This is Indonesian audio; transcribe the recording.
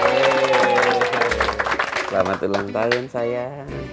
selamat ulang tahun sayang